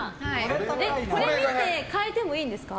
これ見て変えてもいいですか？